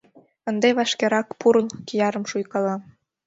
— Ынде вашкерак пурл! — киярым шуйкала.